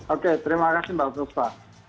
oke terima kasih mbak fuspa